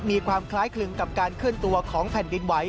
มีความคล้ายคลึงกับการเคลื่อนตัวของแผ่นดินไหว